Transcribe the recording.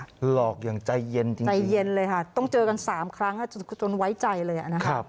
หลอกอย่างใจเย็นจริงใจเย็นเลยค่ะต้องเจอกัน๓ครั้งจนไว้ใจเลยนะครับ